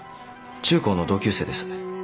中高の同級生です。